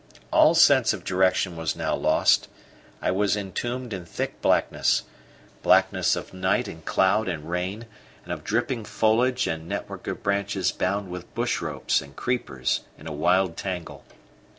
All sense of direction was now lost: I was entombed in thick blackness blackness of night and cloud and rain and of dripping foliage and network of branches bound with bush ropes and creepers in a wild tangle.